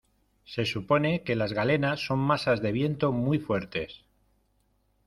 se supone que las galenas son masas de viento muy fuertes